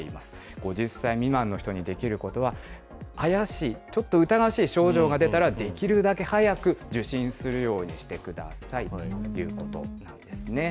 ５０歳未満の人にできることは、あやしい、ちょっと疑わしい症状が出たら、できるだけ早く受診するようにしてくださいということなんですね。